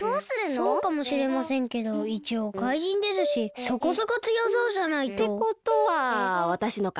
そうかもしれませんけどいちおうかいじんですしそこそこつよそうじゃないと。ってことはわたしのか。